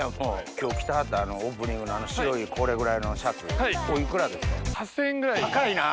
今日着てはったオープニングの白いこれぐらいのシャツお幾らですか？